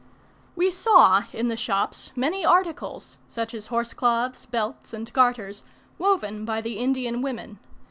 We saw in the shops many articles, such as horsecloths, belts, and garters, woven by the Indian women.